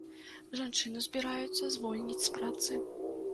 Жанчыну збіраюцца звольніць з працы.